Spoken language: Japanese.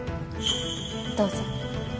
どうぞ。